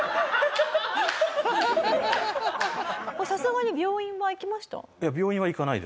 さすがに病院は行きました？